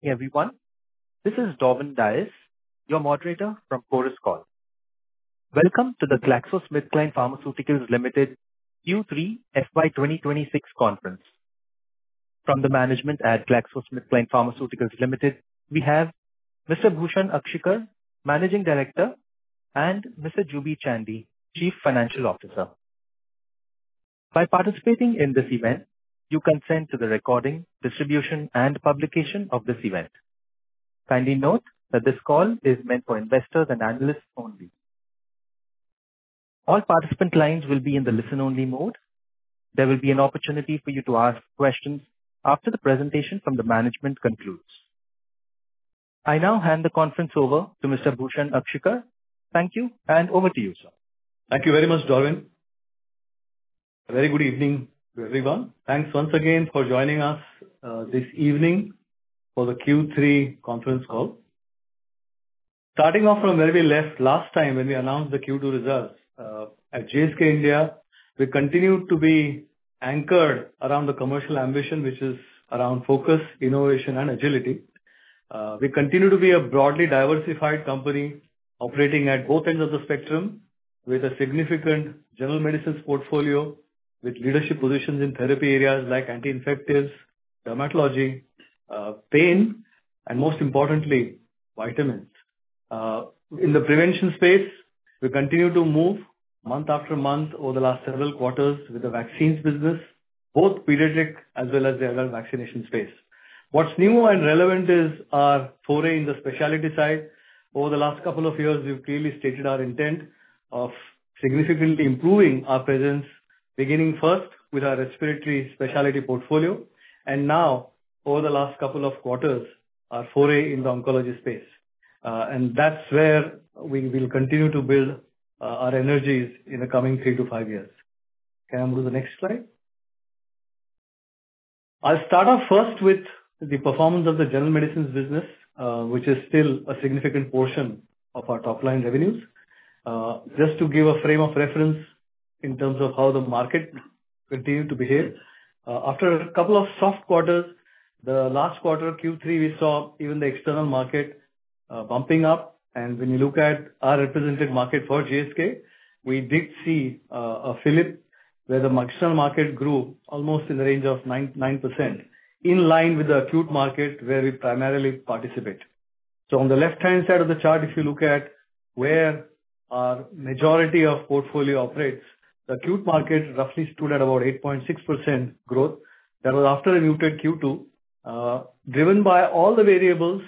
Hey everyone, this is Darwin Dias, your moderator from Chorus Call. Welcome to the GlaxoSmithKline Pharmaceuticals Limited Q3 FY 2026 conference. From the management at GlaxoSmithKline Pharmaceuticals Limited, we have Mr. Bhushan Akshikar, Managing Director, and Mr. Juby Chandy, Chief Financial Officer. By participating in this event, you consent to the recording, distribution, and publication of this event. Kindly note that this call is meant for investors and analysts only. All participant lines will be in the listen-only mode. There will be an opportunity for you to ask questions after the presentation from the management concludes. I now hand the conference over to Mr. Bhushan Akshikar. Thank you, and over to you, sir. Thank you very much, Darwin. A very good evening to everyone. Thanks once again for joining us this evening for the Q3 conference call. Starting off from where we left last time when we announced the Q2 results, at GSK India, we continue to be anchored around the commercial ambition, which is around focus, innovation, and agility. We continue to be a broadly diversified company operating at both ends of the spectrum with a significant general medicines portfolio, with leadership positions in therapy areas like anti-infectives, dermatology, pain, and most importantly, vitamins. In the prevention space, we continue to move month after month over the last several quarters with the vaccines business, both pediatric as well as the adult vaccination space. What's new and relevant is our foray in the specialty side. Over the last couple of years, we've clearly stated our intent of significantly improving our presence, beginning first with our respiratory specialty portfolio, and now, over the last couple of quarters, our foray in the oncology space. That's where we will continue to build our energies in the coming three to five years. Can I move to the next slide? I'll start off first with the performance of the general medicines business, which is still a significant portion of our top-line revenues. Just to give a frame of reference in terms of how the market continued to behave, after a couple of soft quarters, the last quarter, Q3, we saw even the external market bumping up. When you look at our represented market for GSK, we did see a flip where the external market grew almost in the range of 9%, in line with the acute market where we primarily participate. On the left-hand side of the chart, if you look at where our majority of portfolio operates, the acute market roughly stood at about 8.6% growth. That was after a muted Q2, driven by all the variables,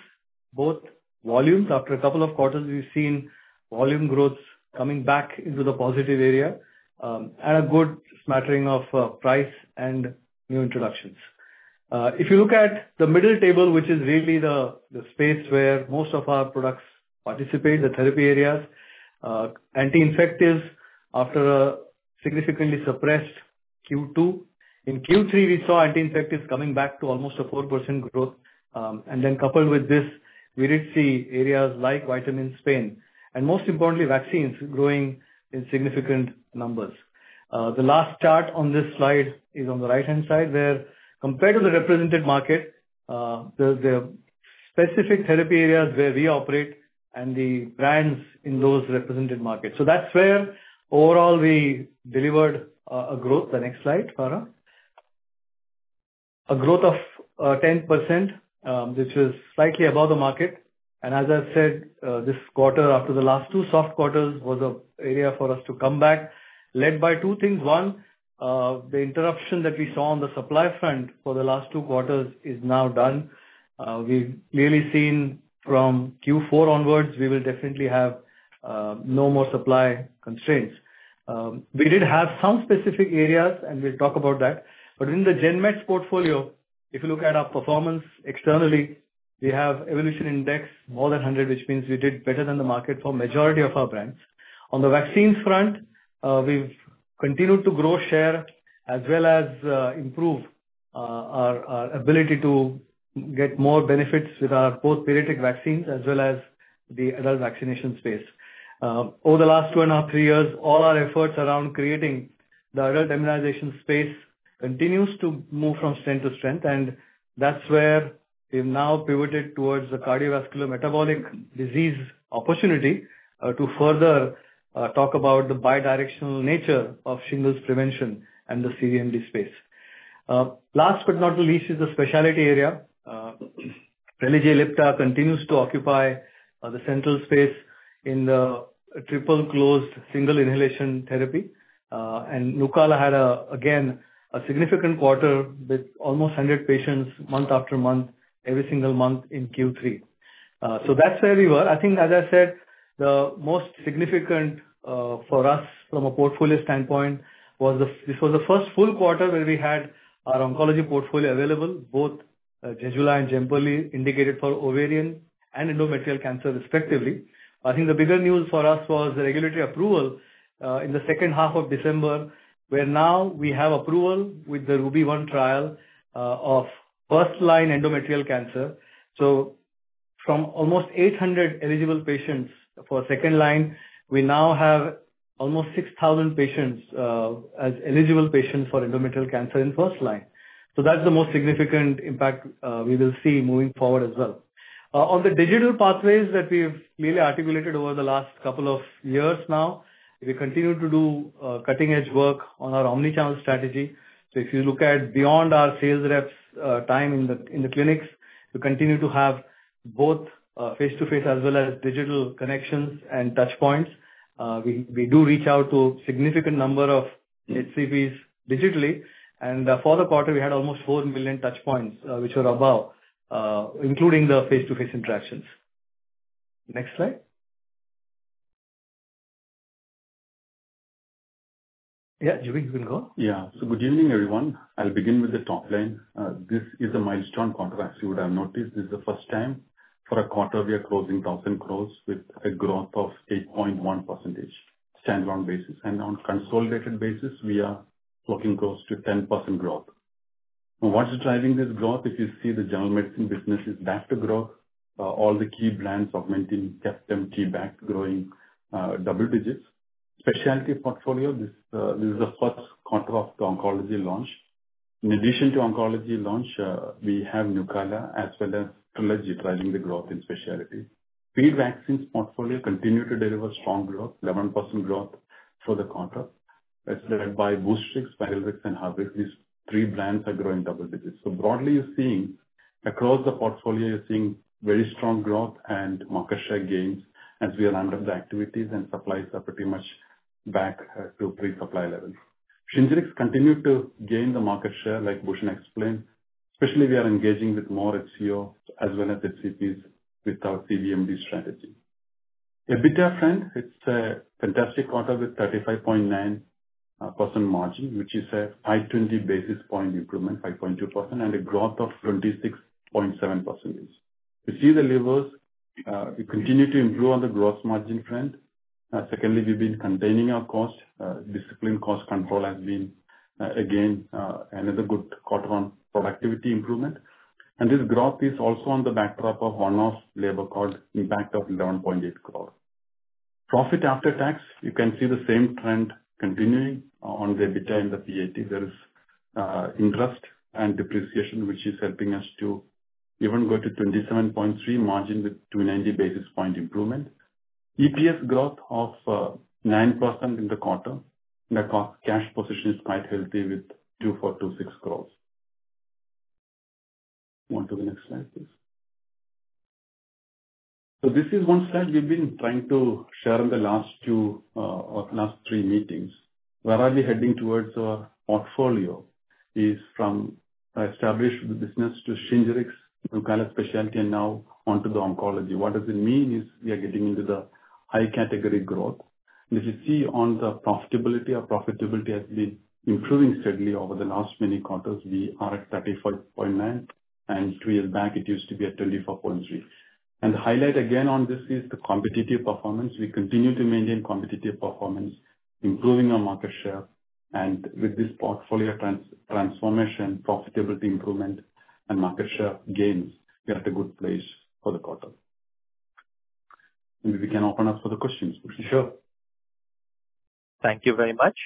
both volumes. After a couple of quarters, we've seen volume growths coming back into the positive area and a good smattering of price and new introductions. If you look at the middle table, which is really the space where most of our products participate, the therapy areas, anti-infectives, after a significantly suppressed Q2. In Q3, we saw anti-infectives coming back to almost a 4% growth. And then coupled with this, we did see areas like vitamins, pain, and most importantly, vaccines growing in significant numbers. The last chart on this slide is on the right-hand side where, compared to the represented market, there are specific therapy areas where we operate and the brands in those represented markets. So that's where overall we delivered a growth. The next slide, Farah. A growth of 10%, which is slightly above the market. And as I said, this quarter, after the last two soft quarters, was an area for us to come back, led by two things. One, the interruption that we saw on the supply front for the last two quarters is now done. We've clearly seen from Q4 onwards, we will definitely have no more supply constraints. We did have some specific areas, and we'll talk about that. But in the GenMed portfolio, if you look at our performance externally, we have evolution index more than 100, which means we did better than the market for the majority of our brands. On the vaccines front, we've continued to grow share as well as improve our ability to get more benefits with our both periodic vaccines as well as the adult vaccination space. Over the last 2.5-3 years, all our efforts around creating the adult immunization space continues to move from strength to strength. And that's where we've now pivoted towards the cardiovascular metabolic disease opportunity to further talk about the bi-directional nature of shingles prevention and the CVMD space. Last but not the least is the specialty area. Relvar Ellipta continues to occupy the central space in the triple-closed single inhalation therapy. Nucala had, again, a significant quarter with almost 100 patients month after month, every single month in Q3. So that's where we were. I think, as I said, the most significant for us from a portfolio standpoint was this was the first full quarter where we had our oncology portfolio available, both Zejula and Jemperli, indicated for ovarian and endometrial cancer, respectively. I think the bigger news for us was the regulatory approval in the second half of December, where now we have approval with the RUBY-1 trial of first-line endometrial cancer. So from almost 800 eligible patients for second line, we now have almost 6,000 patients as eligible patients for endometrial cancer in first line. So that's the most significant impact we will see moving forward as well. On the digital pathways that we've clearly articulated over the last couple of years now, we continue to do cutting-edge work on our omnichannel strategy. So if you look at beyond our sales reps time in the clinics, we continue to have both face-to-face as well as digital connections and touchpoints. We do reach out to a significant number of HCVs digitally. And for the quarter, we had almost 4 million touchpoints, which were above, including the face-to-face interactions. Next slide. Yeah, Juby, you can go. Yeah. So good evening, everyone. I'll begin with the top line. This is a milestone contract. You would have noticed this is the first time for a quarter we are closing 1,000 crores with a growth of 8.1%, standalone basis. On a consolidated basis, we are talking close to 10% growth. What's driving this growth? If you see the general medicine business is back to growth. All the key brands, Augmentin, Ceftum, T-Bact, growing double digits. Specialty portfolio, this is the first quarter of the oncology launch. In addition to oncology launch, we have Nucala as well as Relvar driving the growth in specialty. Pediatric vaccines portfolio continue to deliver strong growth, 11% growth for the quarter. It's led by Boostrix, Varilrix, and Havrix. These three brands are growing double digits. So broadly, you're seeing across the portfolio, you're seeing very strong growth and market share gains as we ramped up the activities and supplies are pretty much back to pre-supply levels. Shingrix continued to gain the market share, like Bhushan explained. Especially, we are engaging with more HCOs as well as HCPs with our CVMD strategy. EBITDA, friend, it's a fantastic quarter with 35.9% margin, which is a 520 basis point improvement, 5.2%, and a growth of 26.7%. You see the levels. We continue to improve on the gross margin front. Secondly, we've been containing our cost. Discipline cost control has been, again, another good quarter on productivity improvement. And this growth is also on the backdrop of one-off labor cost impact of 11.8 crore. Profit after tax, you can see the same trend continuing on the EBITDA and the PAT. There is interest and depreciation, which is helping us to even go to 27.3 margin with 290 basis point improvement. EPS growth of 9% in the quarter. The cash position is quite healthy with 2,426 crore. Move on to the next slide, please. This is one slide we've been trying to share in the last two or last three meetings. Where are we heading towards our portfolio is from established business to Shingrix, Nucala specialty, and now onto the oncology. What does it mean? It's we are getting into the high-category growth. If you see on the profitability, our profitability has been improving steadily over the last many quarters. We are at 35.9. And two years back, it used to be at 24.3. And the highlight, again, on this is the competitive performance. We continue to maintain competitive performance, improving our market share. With this portfolio transformation, profitability improvement, and market share gains, we are at a good place for the quarter. Maybe we can open up for the questions? Sure. Thank you very much.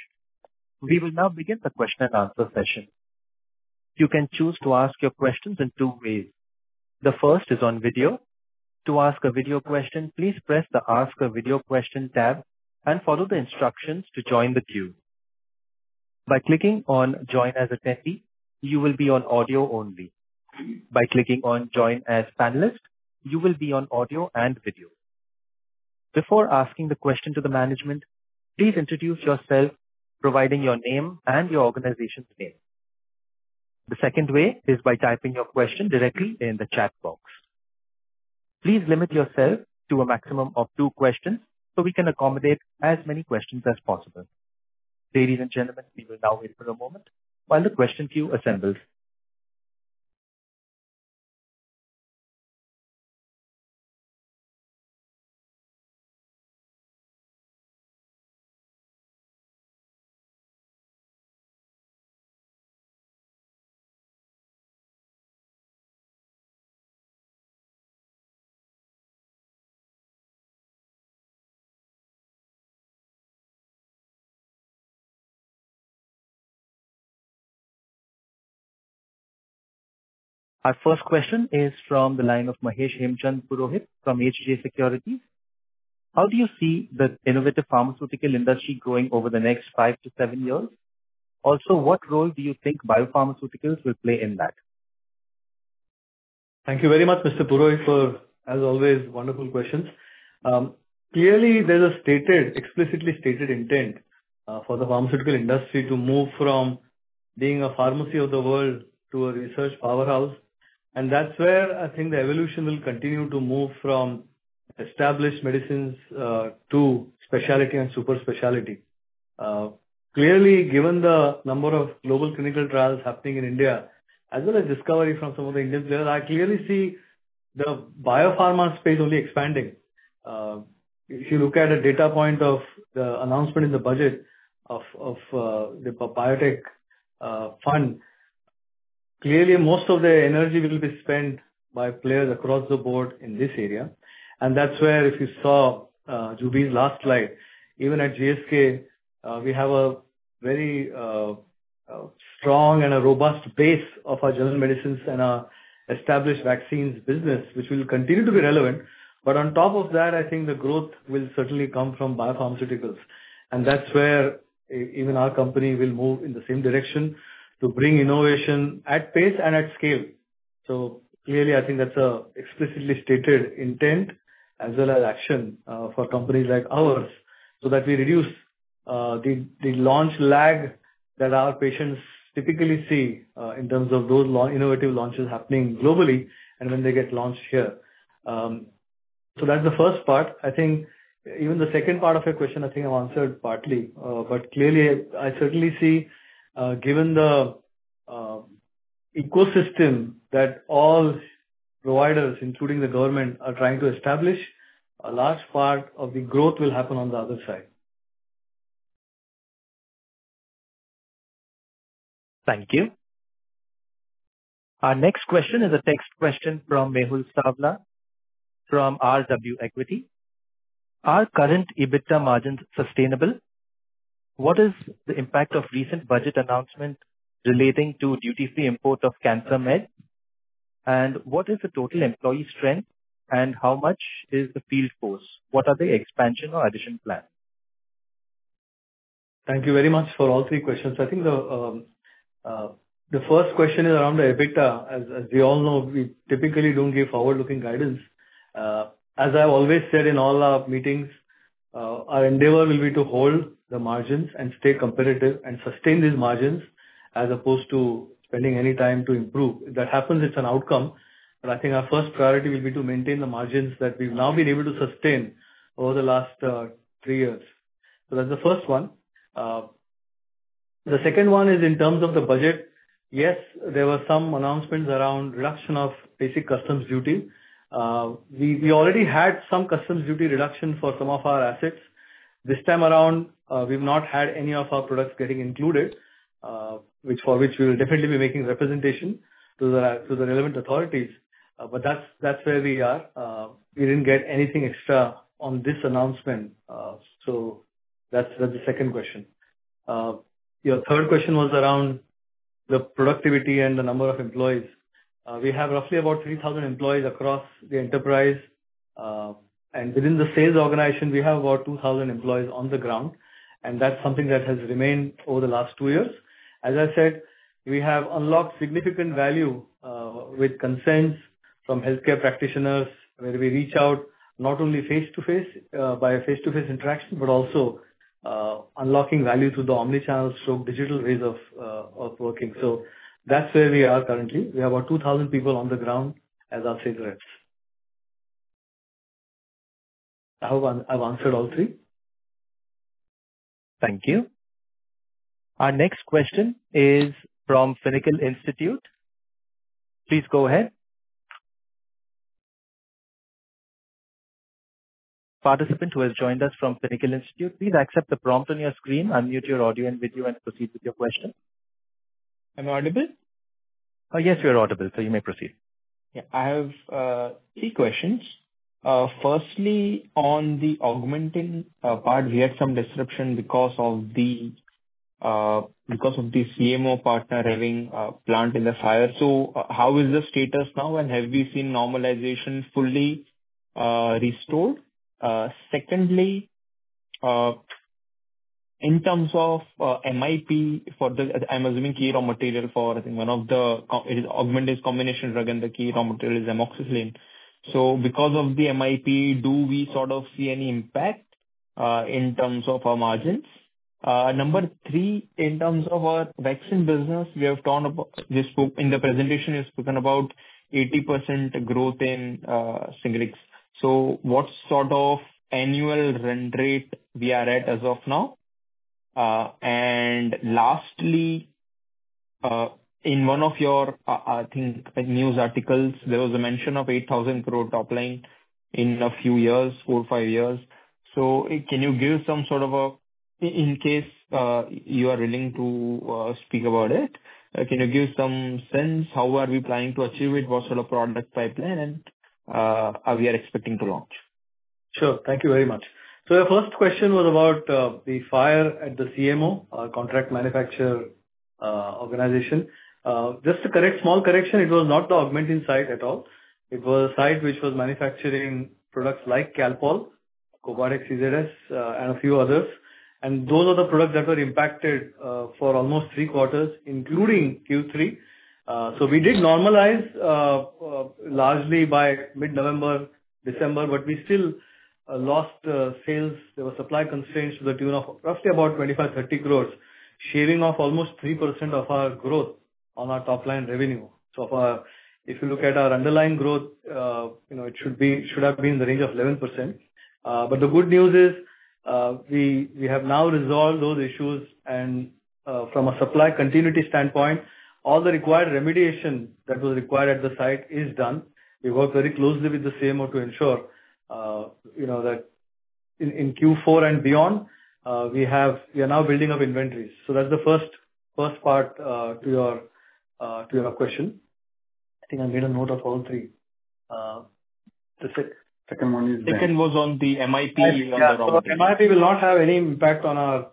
We will now begin the question and answer session. You can choose to ask your questions in two ways. The first is on video. To ask a video question, please press the Ask a Video Question tab and follow the instructions to join the queue. By clicking on Join as Attendee, you will be on audio only. By clicking on Join as Panelist, you will be on audio and video. Before asking the question to the management, please introduce yourself, providing your name and your organization's name. The second way is by typing your question directly in the chat box. Please limit yourself to a maximum of two questions so we can accommodate as many questions as possible. Ladies and gentlemen, we will now wait for a moment while the question queue assembles. Our first question is from the line of Mahesh Hemchand Purohit from H.J. Securities. How do you see the innovative pharmaceutical industry growing over the next five to seven years? Also, what role do you think biopharmaceuticals will play in that? Thank you very much, Mr. Purohit, for, as always, wonderful questions. Clearly, there's a stated, explicitly stated intent for the pharmaceutical industry to move from being a pharmacy of the world to a research powerhouse. That's where I think the evolution will continue to move from established medicines to specialty and super specialty. Clearly, given the number of global clinical trials happening in India, as well as discovery from some of the Indian players, I clearly see the biopharma space only expanding. If you look at the data point of the announcement in the budget of the biotech fund, clearly, most of the energy will be spent by players across the board in this area. And that's where, if you saw Juby's last slide, even at GSK, we have a very strong and a robust base of our general medicines and our established vaccines business, which will continue to be relevant. But on top of that, I think the growth will certainly come from biopharmaceuticals. And that's where even our company will move in the same direction to bring innovation at pace and at scale. So clearly, I think that's an explicitly stated intent as well as action for companies like ours so that we reduce the launch lag that our patients typically see in terms of those innovative launches happening globally and when they get launched here. So that's the first part. I think even the second part of your question, I think I've answered partly. But clearly, I certainly see, given the ecosystem that all providers, including the government, are trying to establish, a large part of the growth will happen on the other side. Thank you. Our next question is a text question from Mehul Savla from RW Equity. Are current EBITDA margins sustainable? What is the impact of recent budget announcement relating to duty-free import of CancerMed? And what is the total employee strength, and how much is the field force? What are the expansion or addition plans? Thank you very much for all three questions. I think the first question is around the EBITDA. As we all know, we typically don't give forward-looking guidance. As I've always said in all our meetings, our endeavor will be to hold the margins and stay competitive and sustain these margins as opposed to spending any time to improve. If that happens, it's an outcome. But I think our first priority will be to maintain the margins that we've now been able to sustain over the last three years. So that's the first one. The second one is in terms of the budget. Yes, there were some announcements around reduction of basic customs duty. We already had some customs duty reduction for some of our assets. This time around, we've not had any of our products getting included, for which we will definitely be making representation to the relevant authorities. But that's where we are. We didn't get anything extra on this announcement. So that's the second question. Your third question was around the productivity and the number of employees. We have roughly about 3,000 employees across the enterprise. Within the sales organization, we have about 2,000 employees on the ground. That's something that has remained over the last two years. As I said, we have unlocked significant value with consents from healthcare practitioners where we reach out not only face-to-face by a face-to-face interaction but also unlocking value through the omnichannel stroke digital ways of working. So that's where we are currently. We have about 2,000 people on the ground as our sales reps. I hope I've answered all three. Thank you. Our next question is from Pinnacle Institute. Please go ahead. Participant who has joined us from Pinnacle Institute, please accept the prompt on your screen, unmute your audio and video, and proceed with your question. Am I audible? Yes, you're audible. You may proceed. Yeah. I have three questions. Firstly, on the Augmentin part, we had some disruption because of the CMO partner having a plant in the fire. So how is the status now, and have we seen normalization fully restored? Secondly, in terms of MIP for the, I'm assuming key raw material for, I think, one of the, it is Augmentin's combination drug, and the key raw material is amoxicillin. So because of the MIP, do we sort of see any impact in terms of our margins? Number three, in terms of our vaccine business, we have talked about in the presentation, we have spoken about 80% growth in Shingrix. So what sort of annual run rate we are at as of now? And lastly, in one of your, I think, news articles, there was a mention of 8,000 crore top line in a few years, four, five years. So can you give some sort of a in case you are willing to speak about it, can you give some sense? How are we planning to achieve it? What sort of product pipeline are we expecting to launch? Sure. Thank you very much. So your first question was about the fire at the CMO, contract manufacturer organization. Just a small correction, it was not the Augmentin site at all. It was a site which was manufacturing products like Calpol, Cobadex CZS, and a few others. And those are the products that were impacted for almost three quarters, including Q3. So we did normalize largely by mid-November, December, but we still lost sales. There were supply constraints to the tune of roughly about 25 croce-INR 30 crores, shaving off almost 3% of our growth on our top line revenue. So if you look at our underlying growth, it should have been in the range of 11%. But the good news is we have now resolved those issues. And from a supply continuity standpoint, all the required remediation that was required at the site is done. We work very closely with the CMO to ensure that in Q4 and beyond, we are now building up inventories. So that's the first part to your question. I think I made a note of all three. That's it. Second one is there. Second was on the MIP and the rupee. MIP will not have any impact on our,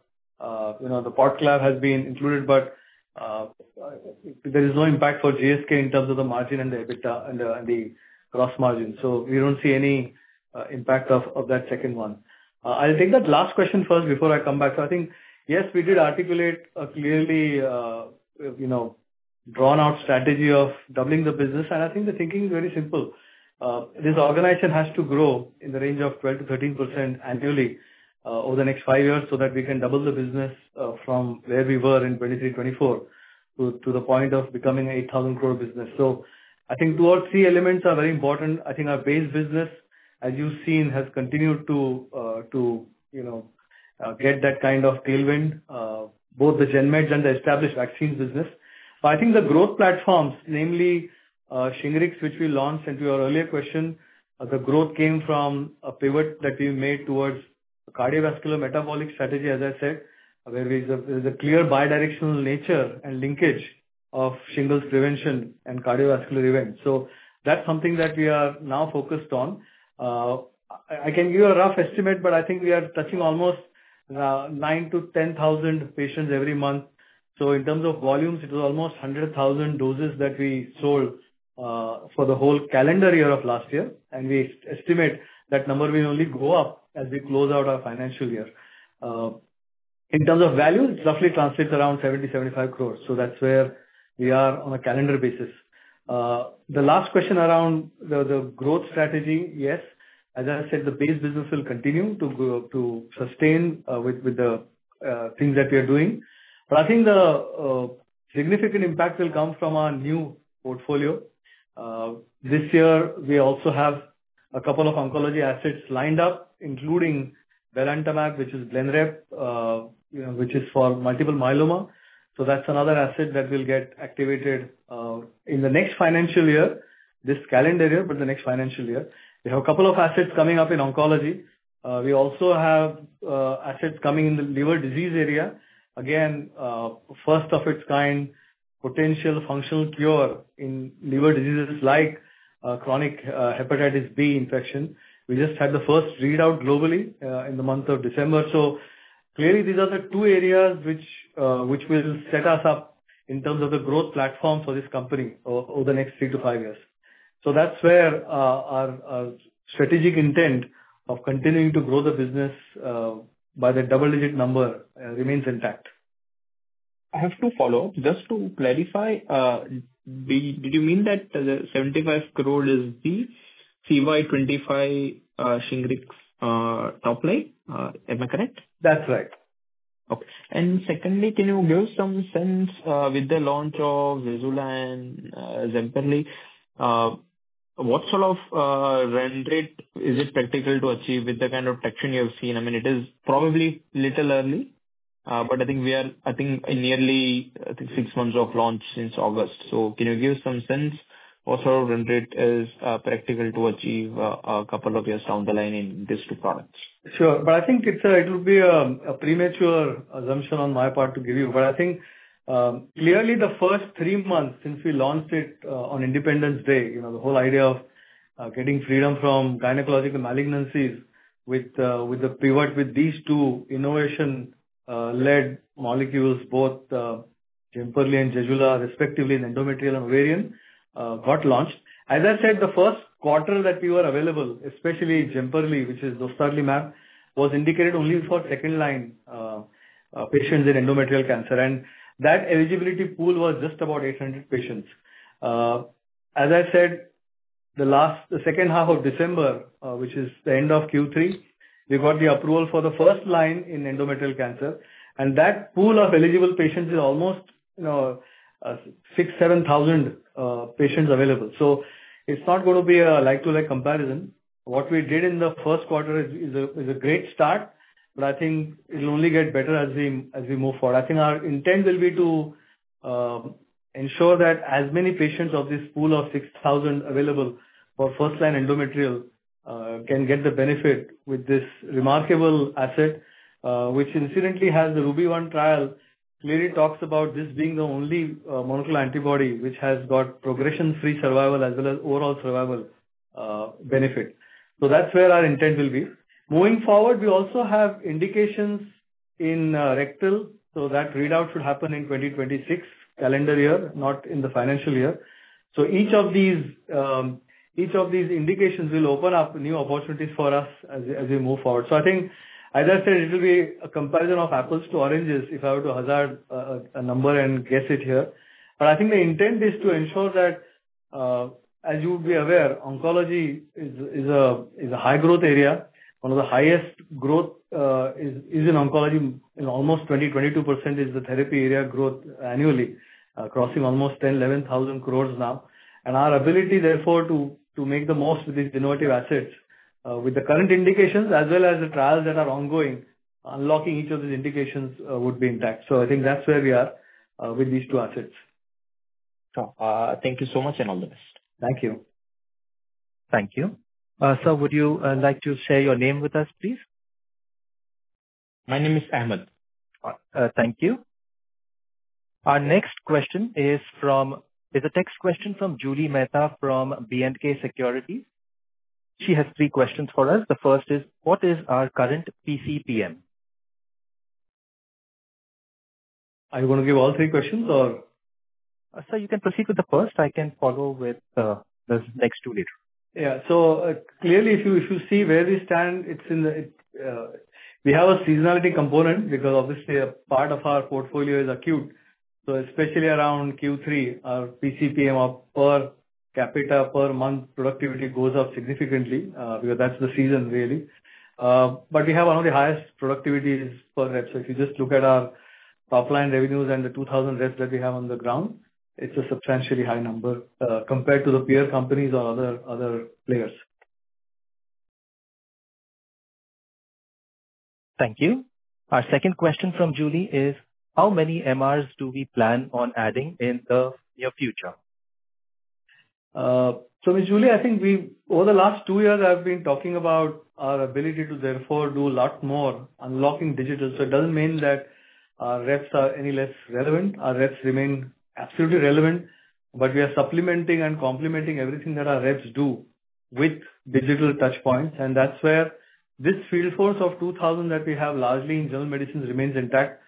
the Pot Clav has been included, but there is no impact for GSK in terms of the margin and the EBITDA and the gross margin. We don't see any impact of that second one. I'll take that last question first before I come back. I think, yes, we did articulate a clearly drawn-out strategy of doubling the business. And I think the thinking is very simple. This organization has to grow in the range of 12%-13% annually over the next five years so that we can double the business from where we were in 2023, 2024 to the point of becoming an 8,000 crore business. So I think two or three elements are very important. I think our base business, as you've seen, has continued to get that kind of tailwind, both the GenMeds and the established vaccines business. But I think the growth platforms, namely Shingrix, which we launched into your earlier question, the growth came from a pivot that we made towards a cardiovascular metabolic strategy, as I said, where there's a clear bi-directional nature and linkage of shingles prevention and cardiovascular events. So that's something that we are now focused on. I can give you a rough estimate, but I think we are touching almost 9-10 thousand patients every month. So in terms of volumes, it was almost 100,000 doses that we sold for the whole calendar year of last year. And we estimate that number will only go up as we close out our financial year. In terms of value, it roughly translates around 70 crores-75 crores. So that's where we are on a calendar basis. The last question around the growth strategy, yes. As I said, the base business will continue to sustain with the things that we are doing. But I think the significant impact will come from our new portfolio. This year, we also have a couple of oncology assets lined up, including belantamab, which is Blenrep, which is for multiple myeloma. So that's another asset that will get activated in the next financial year, this calendar year, but the next financial year. We have a couple of assets coming up in oncology. We also have assets coming in the liver disease area, again, first of its kind potential functional cure in liver diseases like chronic hepatitis B infection. We just had the first readout globally in the month of December. So clearly, these are the two areas which will set us up in terms of the growth platform for this company over the next three to five years. That's where our strategic intent of continuing to grow the business by the double-digit number remains intact. I have two follow-ups just to clarify. Did you mean that the 75 crore is the CY25 Shingrix top line? Am I correct? That's right. Okay. And secondly, can you give some sense with the launch of Zejula and Jemperli? What sort of run rate is it practical to achieve with the kind of traction you have seen? I mean, it is probably a little early, but I think we are I think in nearly, I think, six months of launch since August. So can you give some sense what sort of run rate is practical to achieve a couple of years down the line in these two products? Sure. But I think it will be a premature assumption on my part to give you. But I think clearly, the first three months since we launched it on Independence Day, the whole idea of getting freedom from gynecological malignancies with the pivot with these two innovation-led molecules, both Jemperli and Zejula, respectively, in endometrial and ovarian, got launched. As I said, the first quarter that we were available, especially Jemperli, which is dostarlimab, was indicated only for second-line patients in endometrial cancer. And that eligibility pool was just about 800 patients. As I said, the second half of December, which is the end of Q3, we got the approval for the first line in endometrial cancer. And that pool of eligible patients is almost 6,000-7,000 patients available. So it's not going to be a like-to-like comparison. What we did in the first quarter is a great start, but I think it'll only get better as we move forward. I think our intent will be to ensure that as many patients of this pool of 6,000 available for first-line endometrial can get the benefit with this remarkable asset, which incidentally has the RUBY-1 trial. Clearly, it talks about this being the only monoclonal antibody which has got progression-free survival as well as overall survival benefit. So that's where our intent will be. Moving forward, we also have indications in rectal. So that readout should happen in 2026 calendar year, not in the financial year. So each of these indications will open up new opportunities for us as we move forward. So I think, as I said, it will be a comparison of apples to oranges if I were to hazard a number and guess it here. But I think the intent is to ensure that, as you would be aware, oncology is a high-growth area. One of the highest growth is in oncology. Almost 20%-22% is the therapy area growth annually, crossing almost 10,000 croce-INR 11,000 crore now. And our ability, therefore, to make the most with these innovative assets, with the current indications as well as the trials that are ongoing, unlocking each of these indications would be intact. So I think that's where we are with these two assets. Thank you so much and all the best. Thank you. Thank you. Sir, would you like to share your name with us, please? My name is Ahmed. Thank you. Our next question is a text question from Julie Mehta from BNK Securities. She has three questions for us. The first is, what is our current PCPM? Are you going to give all three questions, or? Sir, you can proceed with the first. I can follow with the next two later. Yeah. So clearly, if you see where we stand, we have a seasonality component because, obviously, a part of our portfolio is acute. So especially around Q3, our PCPM per capita per month productivity goes up significantly because that's the season, really. But we have one of the highest productivities per rep. So if you just look at our top line revenues and the 2,000 reps that we have on the ground, it's a substantially high number compared to the peer companies or other players. Thank you. Our second question from Julie is, how many MRs do we plan on adding in the near future? So with Julie, I think over the last two years, I've been talking about our ability to, therefore, do a lot more unlocking digital. So it doesn't mean that our reps are any less relevant. Our reps remain absolutely relevant. But we are supplementing and complementing everything that our reps do with digital touchpoints. And that's where this field force of 2,000 that we have largely in general medicine remains intact.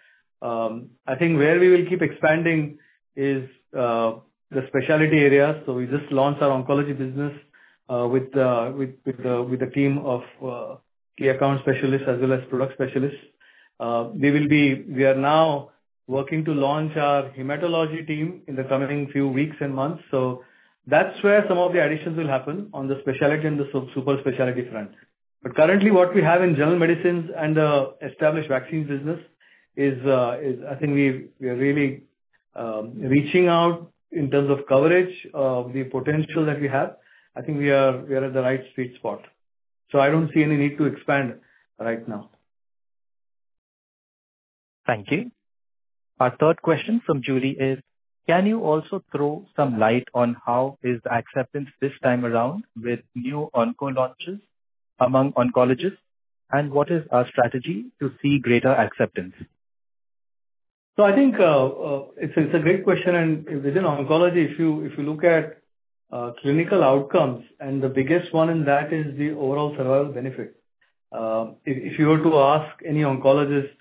I think where we will keep expanding is the specialty areas. So we just launched our oncology business with the team of key account specialists as well as product specialists. We are now working to launch our hematology team in the coming few weeks and months. So that's where some of the additions will happen on the specialty and the super specialty front. But currently, what we have in general medicines and the established vaccines business is, I think, we are really reaching out in terms of coverage of the potential that we have. I think we are at the right sweet spot. So I don't see any need to expand right now. Thank you. Our third question from Julie is, can you also throw some light on how is acceptance this time around with new onco-launches among oncologists, and what is our strategy to see greater acceptance? So I think it's a great question. And within oncology, if you look at clinical outcomes, and the biggest one in that is the overall survival benefit. If you were to ask any oncologist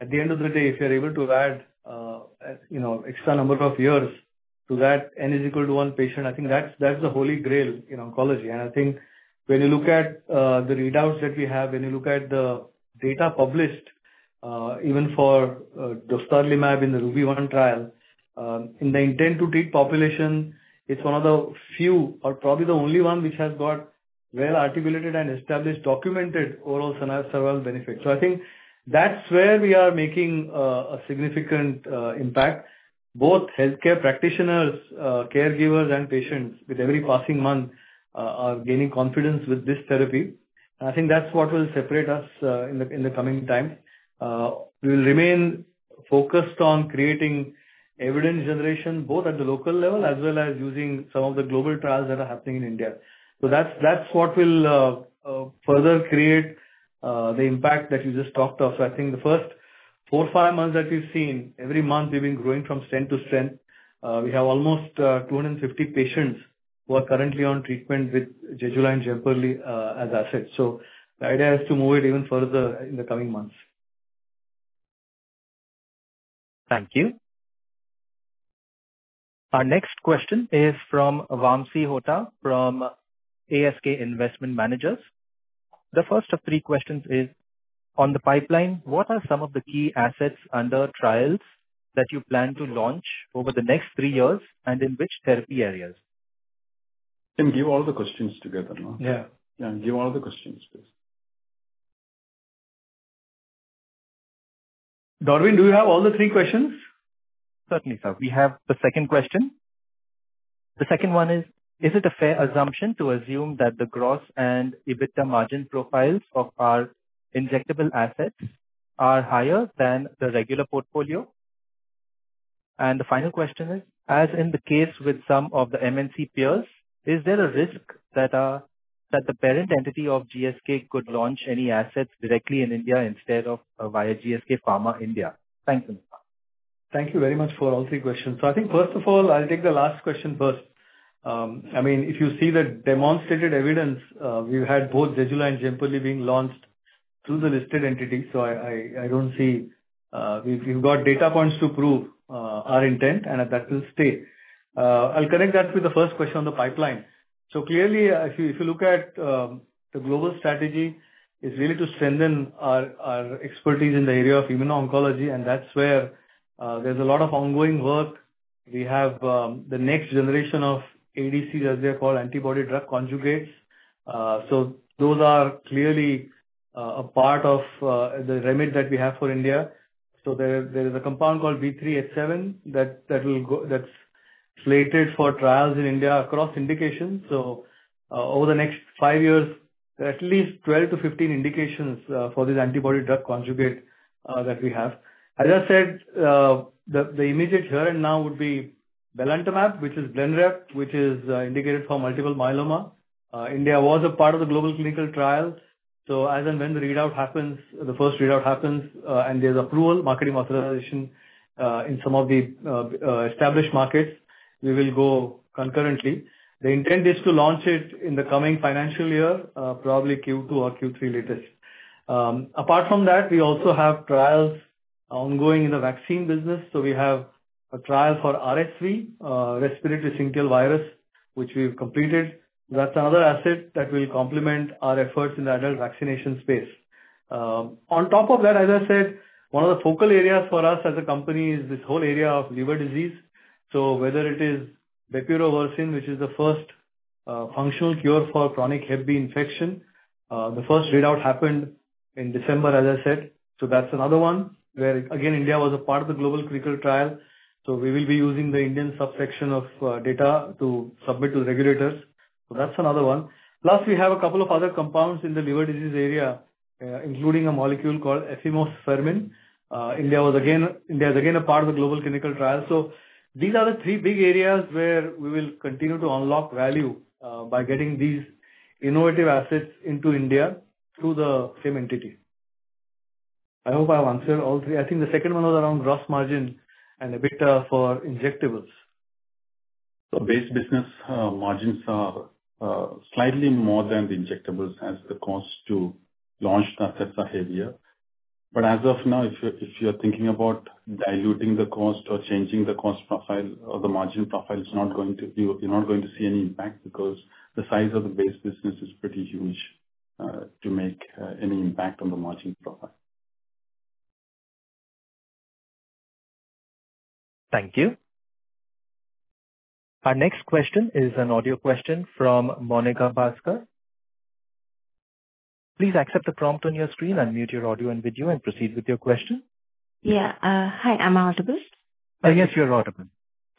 at the end of the day, if you're able to add X number of years to that N is equal to one patient, I think that's the holy grail in oncology. And I think when you look at the readouts that we have, when you look at the data published, even for dostarlimab in the RUBY-1 trial, in the intent to treat population, it's one of the few or probably the only one which has got well-articulated and established documented overall survival benefit. So I think that's where we are making a significant impact. Both healthcare practitioners, caregivers, and patients with every passing month are gaining confidence with this therapy. I think that's what will separate us in the coming time. We will remain focused on creating evidence generation both at the local level as well as using some of the global trials that are happening in India. That's what will further create the impact that you just talked of. I think the first four, five months that we've seen, every month, we've been growing from strength to strength. We have almost 250 patients who are currently on treatment with Zejula and Jemperli as assets. The idea is to move it even further in the coming months. Thank you. Our next question is from Vamsi Hota from ASK Investment Managers. The first of three questions is, on the pipeline, what are some of the key assets under trials that you plan to launch over the next three years and in which therapy areas? Can you give all the questions together now? Yeah. Yeah. Give all the questions, please. Darwin, do you have all the three questions? Certainly, sir. We have the second question. The second one is, is it a fair assumption to assume that the gross and EBITDA margin profiles of our injectable assets are higher than the regular portfolio? And the final question is, as in the case with some of the MNC peers, is there a risk that the parent entity of GSK could launch any assets directly in India instead of via GSK Pharma India? Thank you. Thank you very much for all three questions. So I think, first of all, I'll take the last question first. I mean, if you see the demonstrated evidence, we've had both Zejula and Jemperli being launched through the listed entities. So I don't see we've got data points to prove our intent, and that will stay. I'll connect that with the first question on the pipeline. So clearly, if you look at the global strategy, it's really to strengthen our expertise in the area of immuno-oncology. And that's where there's a lot of ongoing work. We have the next generation of ADCs, as they're called, antibody-drug conjugates. So those are clearly a part of the remedy that we have for India. So there is a compound called B7-H3 that's slated for trials in India across indications. Over the next five years, there are at least 12-15 indications for this antibody-drug conjugate that we have. As I said, the immediate here and now would be belantamab, which is Blenrep, which is indicated for multiple myeloma. India was a part of the global clinical trial. As and when the readout happens, the first readout happens, and there's approval, marketing authorization in some of the established markets, we will go concurrently. The intent is to launch it in the coming financial year, probably Q2 or Q3 latest. Apart from that, we also have trials ongoing in the vaccine business. We have a trial for RSV, respiratory syncytial virus, which we've completed. That's another asset that will complement our efforts in the adult vaccination space. On top of that, as I said, one of the focal areas for us as a company is this whole area of liver disease. So whether it is Bepirovirsen, which is the first functional cure for chronic Hep B infection, the first readout happened in December, as I said. So that's another one where, again, India was a part of the global clinical trial. So we will be using the Indian subsection of data to submit to the regulators. So that's another one. Plus, we have a couple of other compounds in the liver disease area, including a molecule called Efimosfermin. India is again a part of the global clinical trial. So these are the three big areas where we will continue to unlock value by getting these innovative assets into India through the same entity. I hope I've answered all three. I think the second one was around gross margin and EBITDA for injectables. So base business margins are slightly more than the injectables as the cost to launch the assets are heavier. But as of now, if you're thinking about diluting the cost or changing the cost profile or the margin profile, you're not going to see any impact because the size of the base business is pretty huge to make any impact on the margin profile. Thank you. Our next question is an audio question from Monica Bhaskar. Please accept the prompt on your screen and mute your audio and video and proceed with your question. Yeah. Hi. Am I audible? Yes, you're audible.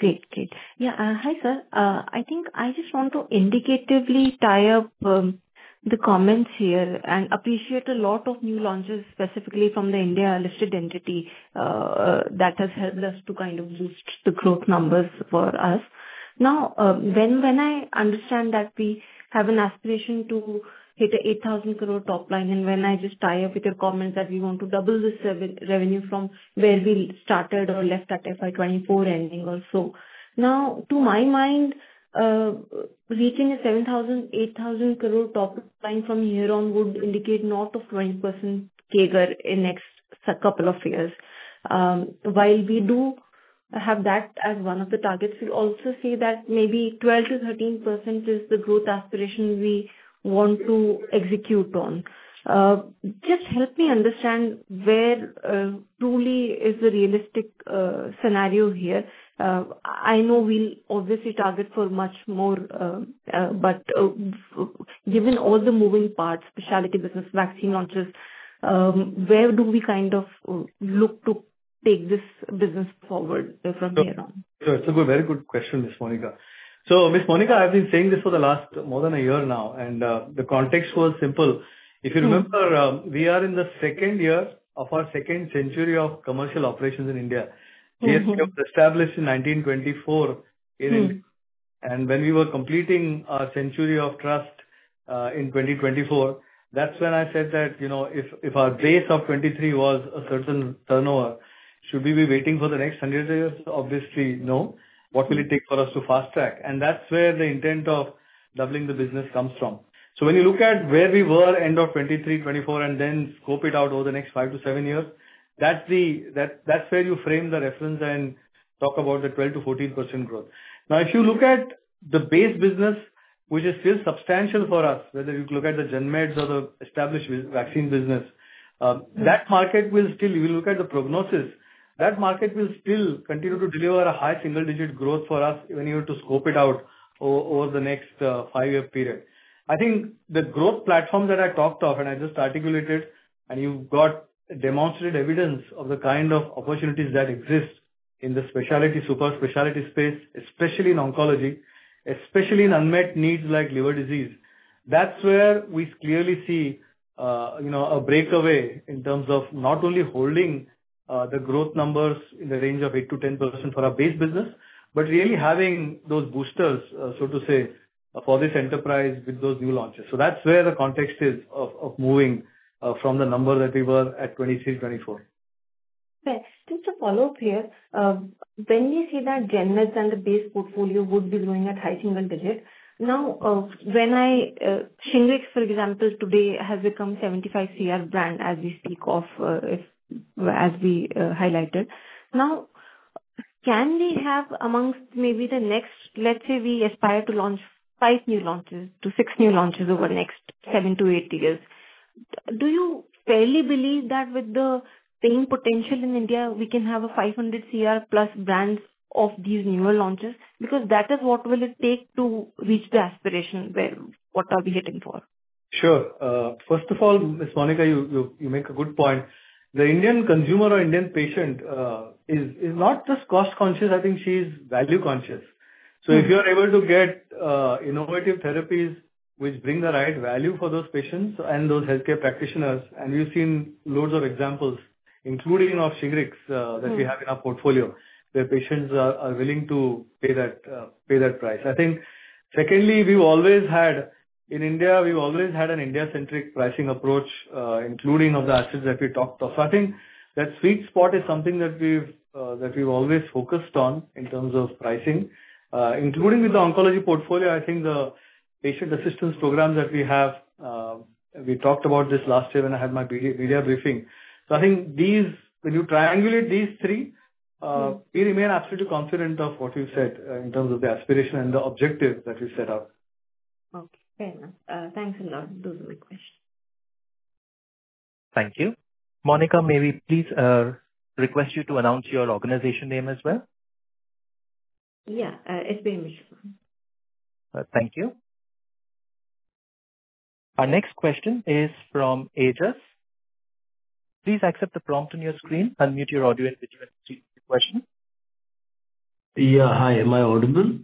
Great. Great. Yeah. Hi, sir. I think I just want to indicatively tie up the comments here and appreciate a lot of new launches, specifically from the India listed entity, that has helped us to kind of boost the growth numbers for us. Now, when I understand that we have an aspiration to hit an 8,000 crore top line, and when I just tie up with your comments that we want to double the revenue from where we started or left at FY 2024 ending or so, now, to my mind, reaching an 7,000 crore-8,000 crore top line from here on would indicate north of 20% CAGR in the next couple of years. While we do have that as one of the targets, we also see that maybe 12%-13% is the growth aspiration we want to execute on. Just help me understand where truly is the realistic scenario here? I know we'll obviously target for much more, but given all the moving parts, specialty business, vaccine launches, where do we kind of look to take this business forward from here on? Sure. It's a very good question, Ms. Monica. So, Ms. Monica, I've been saying this for the last more than a year now. The context was simple. If you remember, we are in the second year of our second century of commercial operations in India. GSK was established in 1924 in India. And when we were completing our century of trust in 2024, that's when I said that if our base of 2023 was a certain turnover, should we be waiting for the next 100 years? Obviously, no. What will it take for us to fast-track? And that's where the intent of doubling the business comes from. So when you look at where we were end of 2023, 2024, and then scope it out over the next five to seven years, that's where you frame the reference and talk about the 12%-14% growth. Now, if you look at the base business, which is still substantial for us, whether you look at the GenMeds or the established vaccine business, that market will still continue to deliver a high single-digit growth for us when you were to scope it out over the next five-year period. I think the growth platforms that I talked of, and I just articulated, and you've got demonstrated evidence of the kind of opportunities that exist in the specialty, super specialty space, especially in oncology, especially in unmet needs like liver disease, that's where we clearly see a breakaway in terms of not only holding the growth numbers in the range of 8%-10% for our base business, but really having those boosters, so to say, for this enterprise with those new launches. So that's where the context is of moving from the number that we were at 2023, 2024. Okay. Just to follow up here, when we see that GenMeds and the base portfolio would be growing at high single-digit, now, when I Shingrix, for example, today has become 75 crore brand as we speak of, as we highlighted, now, can we have amongst maybe the next let's say we aspire to launch five to six new launches over the next seven to eight years. Do you fairly believe that with the same potential in India, we can have a 500 crore+ brand of these newer launches? Because that is what will it take to reach the aspiration where what are we hitting for? Sure. First of all, Ms. Monica, you make a good point. The Indian consumer or Indian patient is not just cost-conscious. I think she is value-conscious. So if you're able to get innovative therapies which bring the right value for those patients and those healthcare practitioners - and we've seen loads of examples, including of Shingrix that we have in our portfolio - where patients are willing to pay that price. I think, secondly, we've always had in India, we've always had an India-centric pricing approach, including of the assets that we talked of. So I think that sweet spot is something that we've always focused on in terms of pricing. Including with the oncology portfolio, I think the patient assistance programs that we have we talked about this last year when I had my media briefing. I think when you triangulate these three, we remain absolutely confident of what you said in terms of the aspiration and the objective that we set out. Okay. Fair enough. Thanks a lot. Those are my questions. Thank you. Monica, may we please request you to announce your organization name as well? Yeah. SBI Mutual. Thank you. Our next question is from Aijaz. Please accept the prompt on your screen and mute your audio and video and speak your question. Yeah. Hi. Am I audible?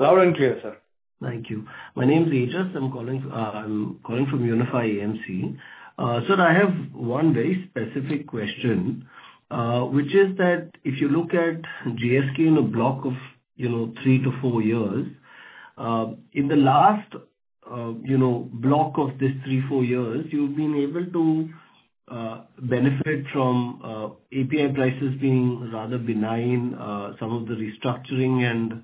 Loud and clear, sir. Thank you. My name's Aijaz. I'm calling from Unifi Capital. Sir, I have one very specific question, which is that if you look at GSK in a block of 3-4 years, in the last block of these three to four years, you've been able to benefit from API prices being rather benign. Some of the restructuring and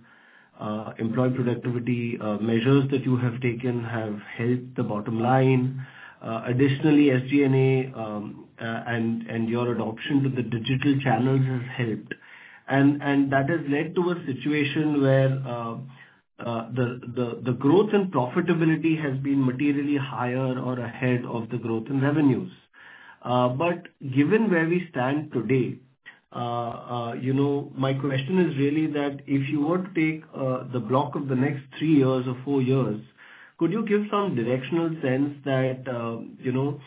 employee productivity measures that you have taken have helped the bottom line. Additionally, SGNA and your adoption to the digital channels has helped. And that has led to a situation where the growth and profitability has been materially higher or ahead of the growth in revenues. But given where we stand today, my question is really that if you were to take the block of the next three years or four years, could you give some directional sense that will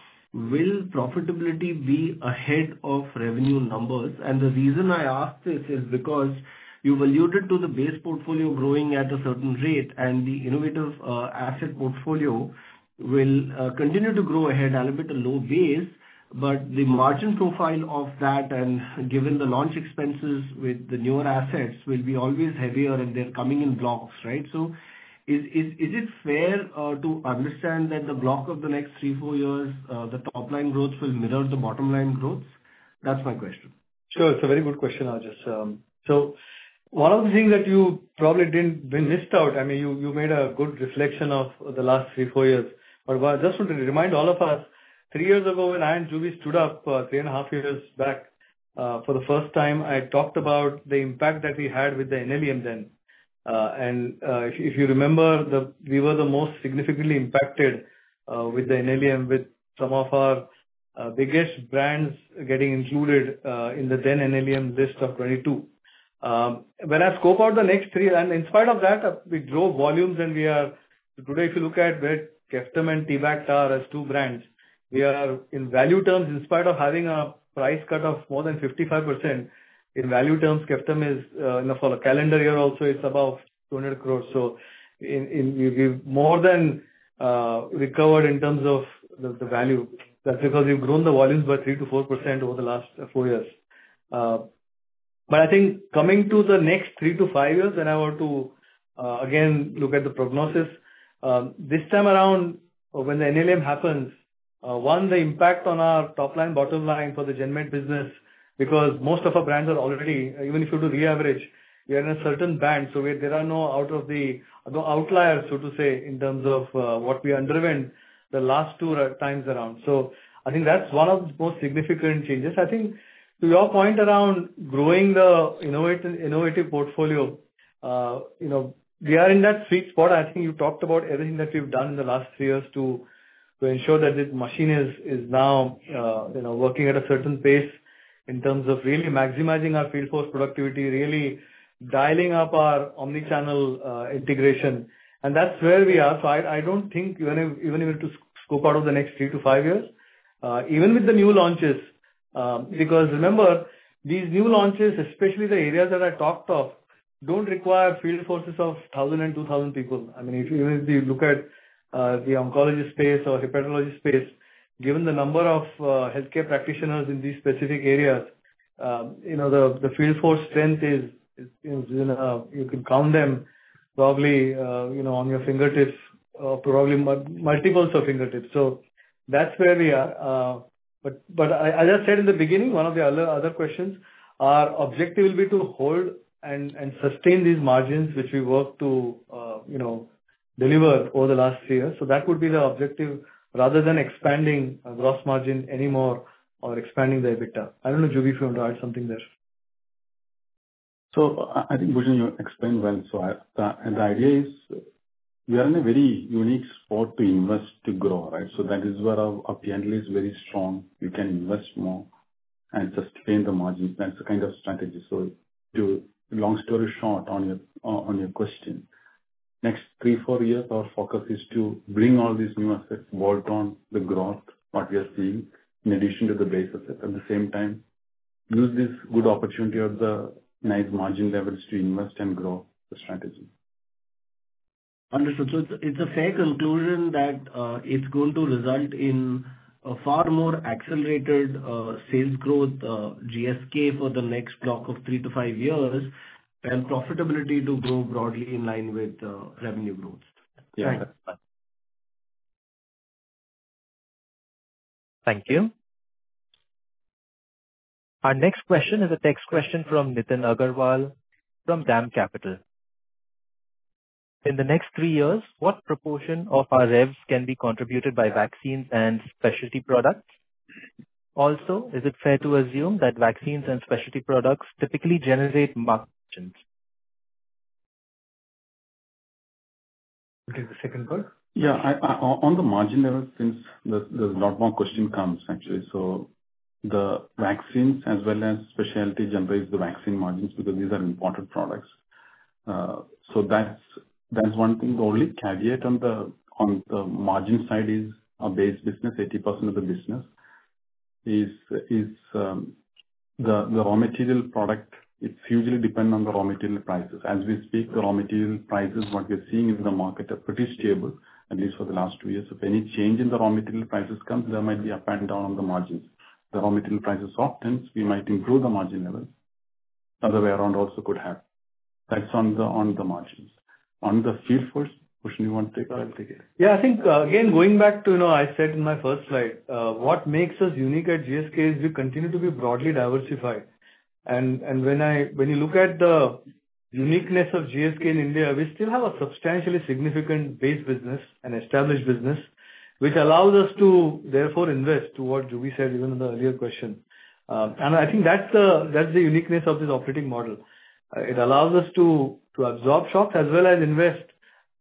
profitability be ahead of revenue numbers? And the reason I ask this is because you've alluded to the base portfolio growing at a certain rate, and the innovative asset portfolio will continue to grow ahead at a bit of low base. But the margin profile of that, and given the launch expenses with the newer assets, will be always heavier, and they're coming in blocks, right? So is it fair to understand that the block of the next three, four years, the top-line growth will mirror the bottom-line growth? That's my question. Sure. It's a very good question, Aijaz. So one of the things that you probably didn't miss out I mean, you made a good reflection of the last three, four years. But I just want to remind all of us, three years ago, when I and Juby stood up three and a half years back for the first time, I talked about the impact that we had with the NLEM then. And if you remember, we were the most significantly impacted with the NLEM, with some of our biggest brands getting included in the then NLEM list of 2022. When I scope out the next three and in spite of that, we drove volumes, and we are today, if you look at where Ceftum and T-Bact are as two brands, we are, in value terms, in spite of having a price cut of more than 55%, in value terms, Ceftum is for a calendar year also, it's above 200 crore. So we've more than recovered in terms of the value. That's because we've grown the volumes by 3%-4% over the last four years. But I think coming to the next three to five years, when I were to, again, look at the prognosis, this time around, when the NLEM happens, one, the impact on our top line, bottom line for the GenMed business because most of our brands are already even if you do re-average, you're in a certain band. So there are no outliers, so to say, in terms of what we underwent the last two times around. So I think that's one of the most significant changes. I think to your point around growing the innovative portfolio, we are in that sweet spot. I think you talked about everything that we've done in the last three years to ensure that this machine is now working at a certain pace in terms of really maximizing our field force productivity, really dialing up our omnichannel integration. And that's where we are. So I don't think even if we were to scope out over the next three to five years, even with the new launches because remember, these new launches, especially the areas that I talked of, don't require field forces of 1,000 and 2,000 people. I mean, even if you look at the oncology space or hepatology space, given the number of healthcare practitioners in these specific areas, the field force strength is you can count them probably on your fingertips, probably multiples of fingertips. So that's where we are. But as I said in the beginning, one of the other questions, our objective will be to hold and sustain these margins, which we worked to deliver over the last three years. So that would be the objective, rather than expanding gross margin anymore or expanding the EBITDA. I don't know, Juby, if you want to add something there. So I think, Bhushan, you explained well. So the idea is we are in a very unique spot to invest to grow, right? So that is where our pendulum is very strong. We can invest more and sustain the margins. That's the kind of strategy. So, to long story short on your question, next three, four years, our focus is to bring all these new assets, bolt on the growth what we are seeing, in addition to the base assets. At the same time, use this good opportunity of the nice margin levels to invest and grow the strategy. Understood. So it's a fair conclusion that it's going to result in a far more accelerated sales growth, GSK, for the next block of 3-5 years and profitability to grow broadly in line with revenue growth. Yeah. That's fine. Thank you. Our next question is a text question from Nitin Agarwal from DAM Capital. In the next three years, what proportion of our revenues can be contributed by vaccines and specialty products? Also, is it fair to assume that vaccines and specialty products typically generate margins? Okay. The second part? Yeah. On the margin level, since there's a lot more questions comes, actually. So the vaccines as well as specialty generates the vaccine margins because these are imported products. So that's one thing. The only caveat on the margin side is our base business, 80% of the business, is the raw material product. It's hugely dependent on the raw material prices. As we speak, the raw material prices, what we're seeing in the market are pretty stable, at least for the last two years. If any change in the raw material prices comes, there might be up and down on the margins. The raw material prices soften, we might improve the margin level. Other way around also could happen. That's on the margins. On the field force, Bhushan, you want to take it or I'll take it? Yeah. I think, again, going back to I said in my first slide, what makes us unique at GSK is we continue to be broadly diversified. When you look at the uniqueness of GSK in India, we still have a substantially significant base business and established business, which allows us to, therefore, invest to what Juby said even in the earlier question. I think that's the uniqueness of this operating model. It allows us to absorb shocks as well as invest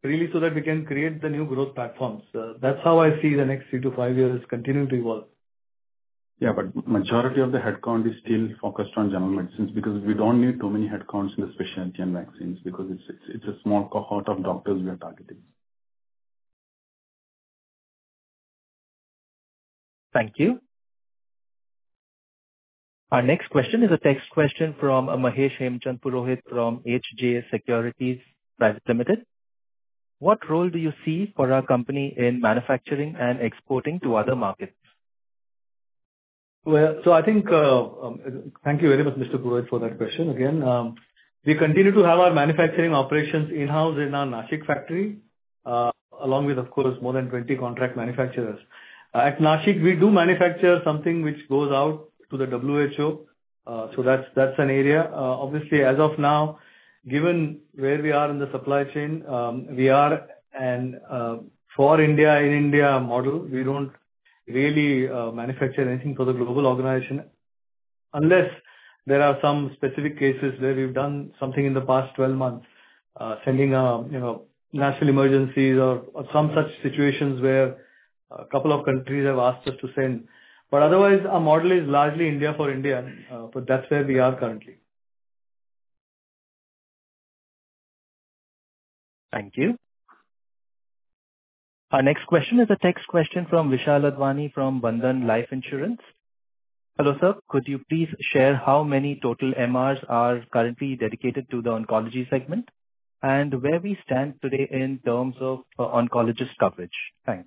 really so that we can create the new growth platforms. That's how I see the next three to five years continuing to evolve. Yeah. But majority of the headcount is still focused on general medicines because we don't need too many headcounts in the specialty and vaccines because it's a small cohort of doctors we are targeting. Thank you. Our next question is a text question from Mahesh Hemchand Purohit from H.J. Securities Private Limited. What role do you see for our company in manufacturing and exporting to other markets? Well, so I think thank you very much, Mr. Purohit, for that question. Again, we continue to have our manufacturing operations in-house in our Nashik factory along with, of course, more than 20 contract manufacturers. At Nashik, we do manufacture something which goes out to the WHO. So that's an area. Obviously, as of now, given where we are in the supply chain, we are for India, in India model. We don't really manufacture anything for the global organization unless there are some specific cases where we've done something in the past 12 months, sending national emergencies or some such situations where a couple of countries have asked us to send. But otherwise, our model is largely India for India. But that's where we are currently. Thank you. Our next question is a text question from Vishal Advani from Bandhan Life Insurance. Hello, sir. Could you please share how many total MRs are currently dedicated to the oncology segment and where we stand today in terms of oncologist coverage? Thank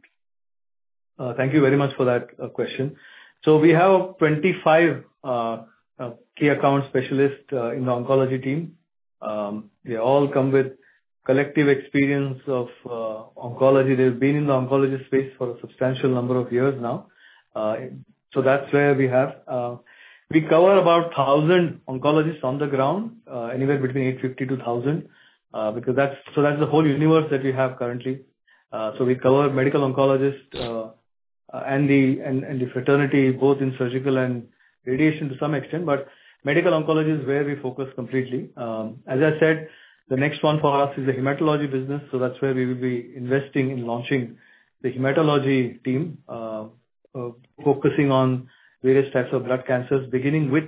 you. Thank you very much for that question. So we have 25 key account specialists in the oncology team. They all come with collective experience of oncology. They've been in the oncology space for a substantial number of years now. So that's where we have. We cover about 1,000 oncologists on the ground, anywhere between 850-1,000 because so that's the whole universe that we have currently. So we cover medical oncologists and the fraternity, both in surgical and radiation to some extent. But medical oncology is where we focus completely. As I said, the next one for us is the hematology business. So that's where we will be investing in launching the hematology team, focusing on various types of blood cancers, beginning with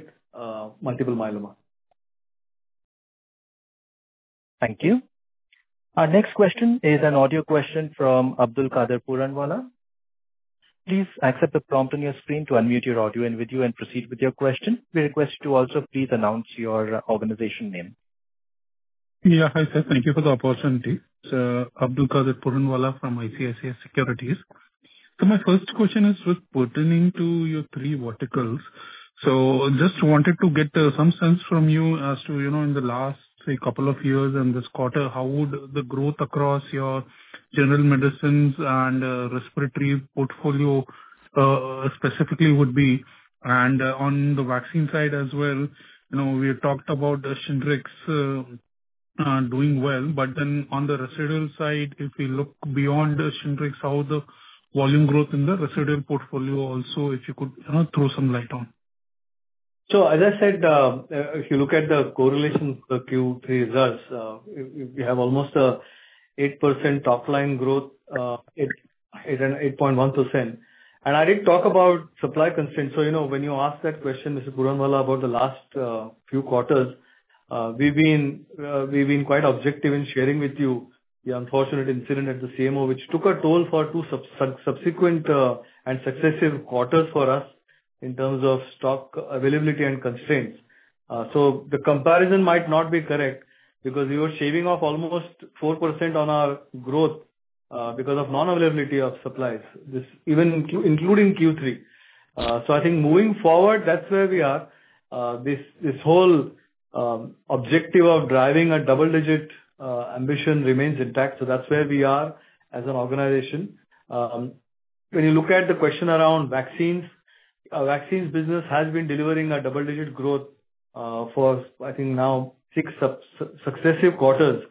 multiple myeloma. Thank you. Our next question is an audio question from Abdul Qadir Puranwala. Please accept the prompt on your screen to unmute your audio and video and proceed with your question. We request you to also please announce your organization name. Yeah. Hi, sir. Thank you for the opportunity. So Abdul Qadir Puranwala from ICICI Securities. So my first question is just pertaining to your three verticals. So I just wanted to get some sense from you as to in the last, say, couple of years and this quarter, how would the growth across your general medicines and respiratory portfolio specifically would be? And on the vaccine side as well, we had talked about Shingrix doing well. But then on the residual side, if we look beyond Shingrix, how the volume growth in the residual portfolio also, if you could throw some light on? As I said, if you look at the correlation for the Q3 results, we have almost 8% top-line growth, 8.1%. And I did talk about supply constraints. So when you asked that question, Mr. Puranwala, about the last few quarters, we've been quite objective in sharing with you the unfortunate incident at the CMO, which took a toll for two subsequent and successive quarters for us in terms of stock availability and constraints. So the comparison might not be correct because we were shaving off almost 4% on our growth because of non-availability of supplies, including Q3. So I think moving forward, that's where we are. This whole objective of driving a double-digit ambition remains intact. So that's where we are as an organization. When you look at the question around vaccines, our vaccines business has been delivering a double-digit growth for, I think, now six successive quarters.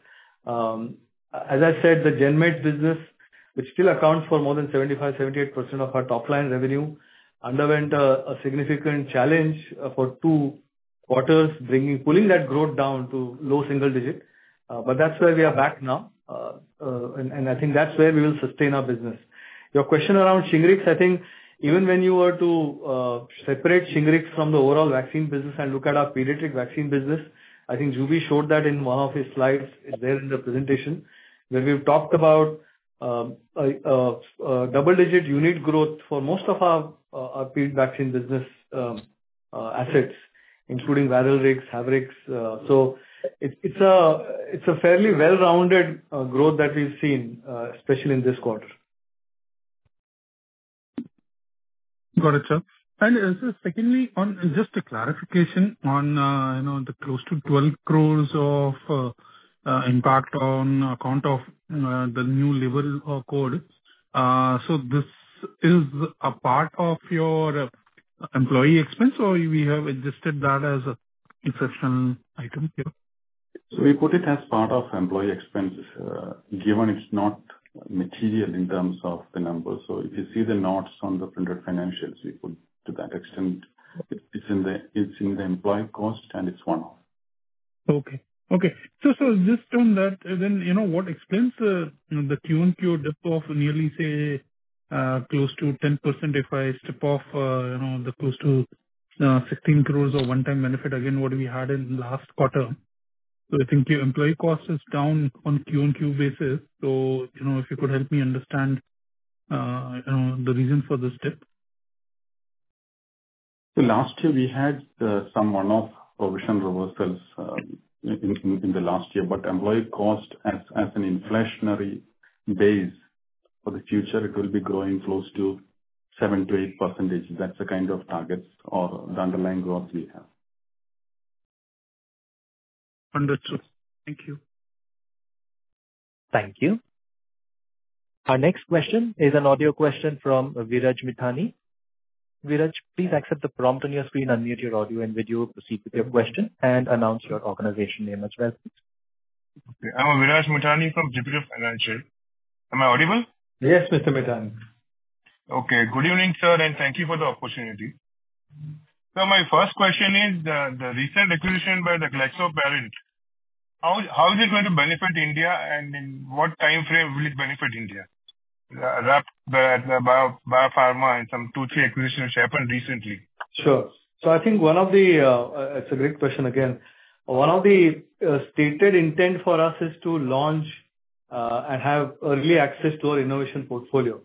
As I said, the GenMed business, which still accounts for more than 75%-78% of our top-line revenue, underwent a significant challenge for two quarters, pulling that growth down to low single digit. That's where we are back now. I think that's where we will sustain our business. Your question around Shingrix, I think even when you were to separate Shingrix from the overall vaccine business and look at our pediatric vaccine business, I think Juby showed that in one of his slides there in the presentation where we've talked about a double-digit unit growth for most of our vaccine business assets, including Varilrix, Havrix. So it's a fairly well-rounded growth that we've seen, especially in this quarter. Got it, sir. And secondly, just a clarification on the close to 12 crore of impact on account of the new labor code. So this is a part of your employee expense, or we have adjusted that as an exceptional item here? So we put it as part of employee expenses given it's not material in terms of the numbers. So if you see the notes on the printed financials, we put to that extent. It's in the employee cost, and it's one-off. Okay. Okay. So just on that, then what explains the Q1/Q2 dip of nearly, say, close to 10% if I step off the close to 16 crore of one-time benefit, again, what we had in the last quarter? So I think your employee cost is down on Q1/Q2 basis. So if you could help me understand the reason for this dip. Last year, we had some one-off provision reversals in the last year. But employee cost, as an inflationary base for the future, it will be growing close to 7%-8%. That's the kind of targets or the underlying growth we have. Understood. Thank you. Thank you. Our next question is an audio question from Viraj Mitani. Viraj, please accept the prompt on your screen, unmute your audio, and video, proceed with your question, and announce your organization name as well, please. Okay. I'm Viraj Mithani from JPG Financial. Am I audible? Yes, Mr. Mithani. Okay. Good evening, sir, and thank you for the opportunity. So my first question is the recent acquisition by the GSK parent. How is it going to benefit India, and in what time frame will it benefit India? Biopharma and some two to three acquisitions which happened recently. Sure. So I think one of the, it's a great question again. One of the stated intent for us is to launch and have early access to our innovation portfolio.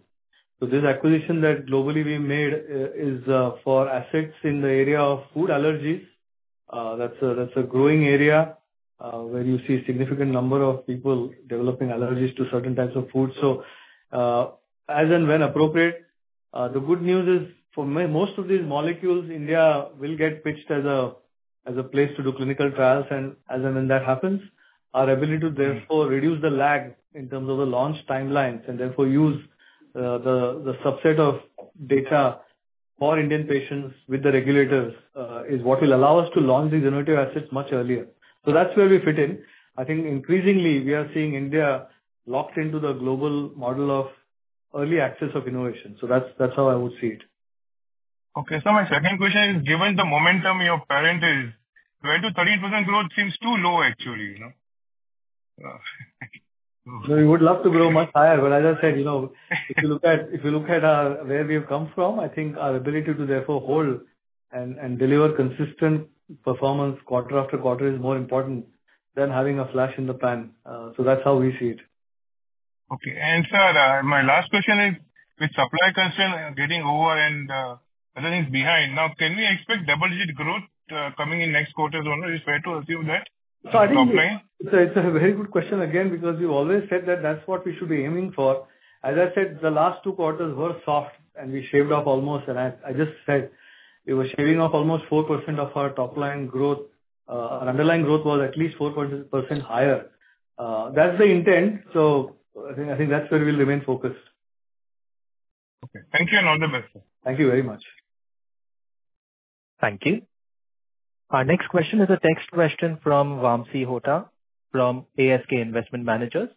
So this acquisition that globally we made is for assets in the area of food allergies. That's a growing area where you see a significant number of people developing allergies to certain types of foods. So as and when appropriate, the good news is for most of these molecules, India will get pitched as a place to do clinical trials. And as and when that happens, our ability to, therefore, reduce the lag in terms of the launch timelines and, therefore, use the subset of data for Indian patients with the regulators is what will allow us to launch these innovative assets much earlier. So that's where we fit in. I think increasingly, we are seeing India locked into the global model of early access of innovation. So that's how I would see it. Okay. So my second question is, given the momentum your parent is, 20%-30% growth seems too low, actually. We would love to grow much higher. But as I said, if you look at where we have come from, I think our ability to, therefore, hold and deliver consistent performance quarter after quarter is more important than having a flash in the pan. So that's how we see it. Okay. And, sir, my last question is, with supply constraints getting over and other things behind, now, can we expect double-digit growth coming in next quarter as well? Is it fair to assume that? So I think it's a very good question again because you've always said that that's what we should be aiming for. As I said, the last two quarters were soft, and we shaved off almost. And I just said we were shaving off almost 4% of our top-line growth. Our underlying growth was at least 4% higher. That's the intent. So I think that's where we'll remain focused. Okay. Thank you, and all the best, sir. Thank you very much. Thank you. Our next question is a text question from Vamsi Hota from ASK Investment Managers.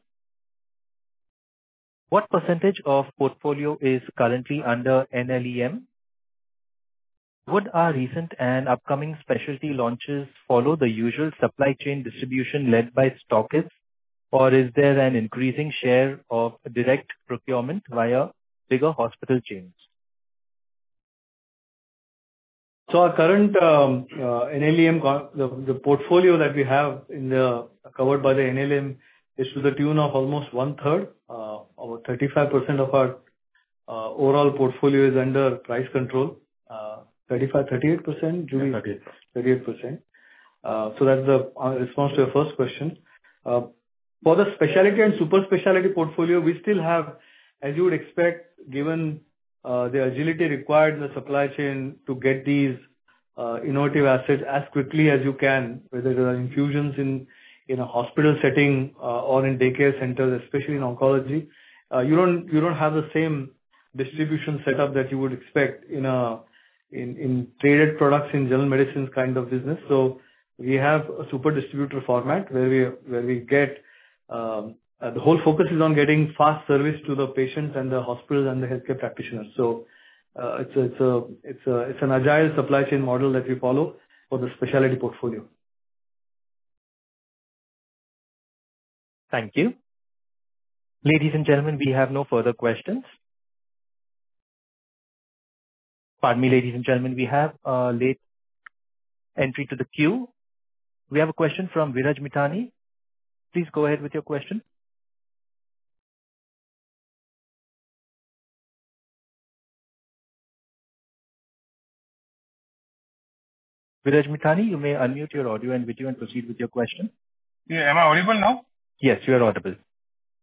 What percentage of portfolio is currently under NLEM? Would our recent and upcoming specialty launches follow the usual supply chain distribution led by stockists, or is there an increasing share of direct procurement via bigger hospital chains? So our current NLEM, the portfolio that we have covered by the NLEM is to the tune of almost one-third. Over 35% of our overall portfolio is under price control, 35%-38%, Juby? 38. 38%. So that's the response to your first question. For the specialty and super specialty portfolio, we still have, as you would expect, given the agility required in the supply chain to get these innovative assets as quickly as you can, whether there are infusions in a hospital setting or in daycare centers, especially in oncology, you don't have the same distribution setup that you would expect in traded products, in general medicines kind of business. So we have a super distributor format where we get the whole focus is on getting fast service to the patients and the hospitals and the healthcare practitioners. So it's an agile supply chain model that we follow for the specialty portfolio. Thank you. Ladies and gentlemen, we have no further questions. Pardon me, ladies and gentlemen, we have a late entry to the queue. We have a question from Viraj Mitani. Please go ahead with your question. Viraj Mitani, you may unmute your audio and video and proceed with your question. Yeah. Am I audible now? Yes, you are audible.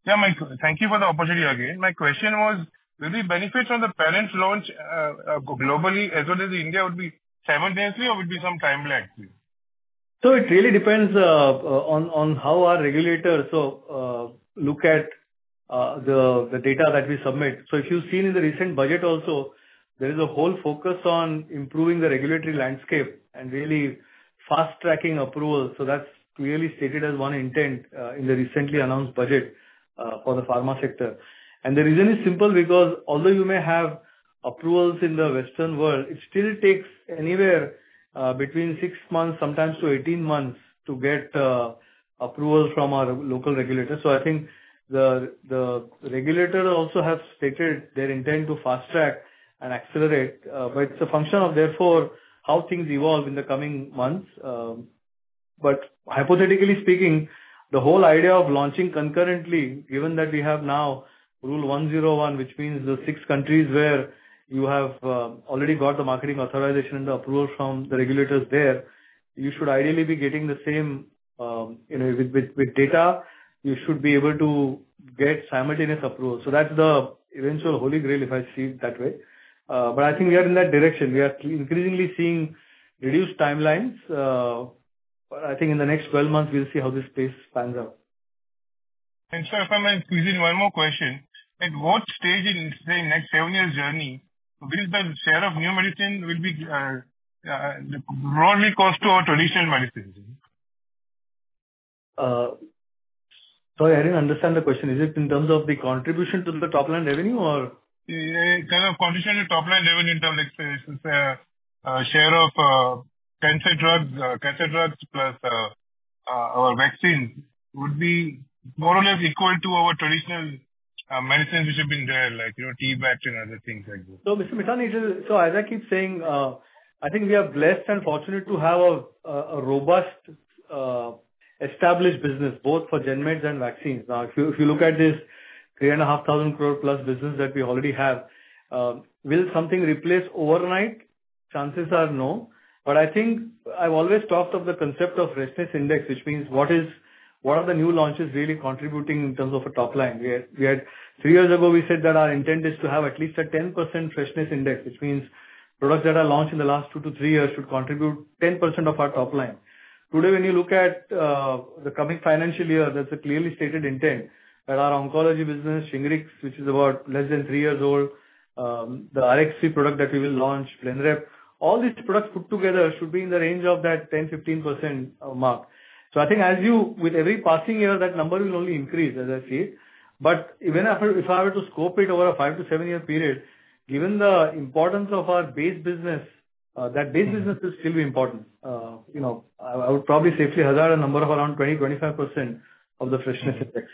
Yeah, thank you for the opportunity again. My question was, will we benefit from the parent launch globally as well as in India? Would it be seven days later, or would it be some time lag? So it really depends on how our regulators look at the data that we submit. So if you've seen in the recent budget also, there is a whole focus on improving the regulatory landscape and really fast-tracking approvals. So that's clearly stated as one intent in the recently announced budget for the pharma sector. And the reason is simple because although you may have approvals in the Western world, it still takes anywhere between six months, sometimes to 18 months, to get approval from our local regulators. So I think the regulators also have stated their intent to fast-track and accelerate. But it's a function of, therefore, how things evolve in the coming months. But hypothetically speaking, the whole idea of launching concurrently, given that we have now Rule 101, which means the six countries where you have already got the marketing authorization and the approval from the regulators there, you should ideally be getting the same with data. You should be able to get simultaneous approvals. So that's the eventual holy grail if I see it that way. But I think we are in that direction. We are increasingly seeing reduced timelines. But I think in the next 12 months, we'll see how this space pans out. Sir, if I may quiz you on one more question, at what stage in, say, next seven years' journey, will the share of new medicine be broadly close to our traditional medicines? Sorry, I didn't understand the question. Is it in terms of the contribution to the top-line revenue, or? Kind of contribution to top-line revenue in terms of, say, share of cancer drugs plus our vaccines would be more or less equal to our traditional medicines which have been there, like T-Bact and other things like that. So, Mr. Mitani, so as I keep saying, I think we are blessed and fortunate to have a robust, established business both for GenMeds and vaccines. Now, if you look at this 3,500 crore+ business that we already have, will something replace overnight? Chances are no. But I think I've always talked of the concept of Freshness Index, which means what are the new launches really contributing in terms of a top-line? Three years ago, we said that our intent is to have at least a 10% Freshness Index, which means products that are launched in the last two to three years should contribute 10% of our top-line. Today, when you look at the coming financial year, that's a clearly stated intent that our oncology business, Shingrix, which is about less than three years old, the RSV product that we will launch, Blenrep, all these products put together should be in the range of that 10%-15% mark. So I think with every passing year, that number will only increase, as I see it. But if I were to scope it over a five to seven-year period, given the importance of our base business, that base business will still be important. I would probably safely hazard a number of around 20%-25% of the Freshness Index. Okay.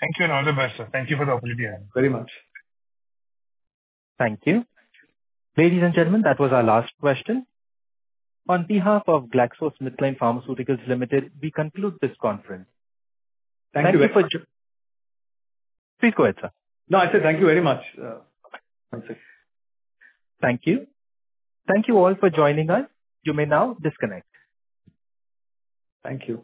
Thank you, and all the best, sir. Thank you for the opportunity again. Very much. Thank you. Ladies and gentlemen, that was our last question. On behalf of GlaxoSmithKline Pharmaceuticals Limited, we conclude this conference. Thank you. Please go ahead, sir. No, I said thank you very much. Thank you. Thank you all for joining us. You may now disconnect. Thank you.